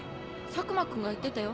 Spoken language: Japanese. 佐久間君が言ってたよ。